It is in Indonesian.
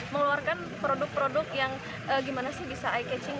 mengeluarkan produk produk yang gimana sih bisa ey catching